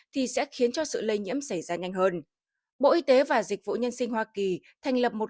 thì sẽ khiến cho sự lây nhiễm xảy ra nhanh hơn bộ y tế và dịch vụ nhân sinh hoa kỳ thành lập một